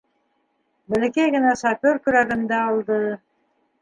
Бәләкәй генә сапер көрәген дә алды.